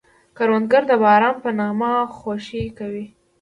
کروندګر د باران په نغمه خوښي کوي